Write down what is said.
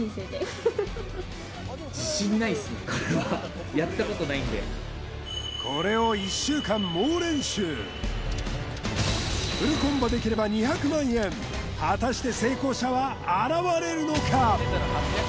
これはこれを１週間猛練習フルコンボできれば２００万円果たして成功者は現れるのか？